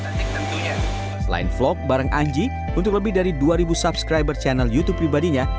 selain vlog bareng anji untuk lebih dari dua ribu subscriber channel youtube pribadinya